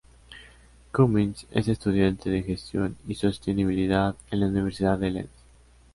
Cummins es estudiante de Gestión y Sostenibilidad en la Universidad de Leeds.